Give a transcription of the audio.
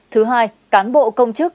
thứ hai cán bộ công chức